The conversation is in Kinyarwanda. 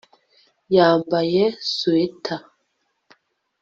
Yambaye swater